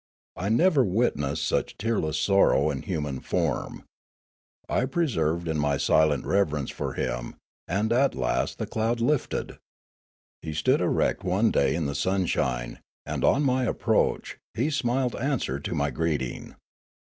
I had never witnessed such tearless sorrow in human form. I persevered in my silent reverence for him, and at last the cloud lifted. He stood erect one day in the sunshine, and on my approach, he smiled answer to my greeting.